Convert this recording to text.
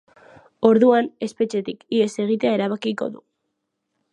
Orduan, espetxetik ihes egitea erabakiko du.